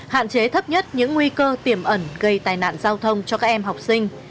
hạn chế thấp nhất những nguy cơ tiềm ẩn gây tai nạn giao thông cho các em học sinh